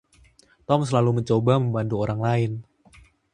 Tom selalu mencoba membantu orang lain.